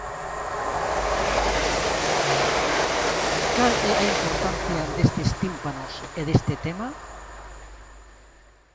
Cal é a importancia destes tímpanos e deste tema?